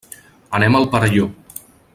Anem al Perelló.